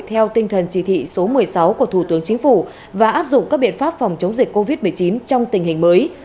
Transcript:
theo tinh thần chỉ thị số một mươi sáu của thủ tướng chính phủ và áp dụng các biện pháp phòng chống dịch covid một mươi chín trong tình hình mới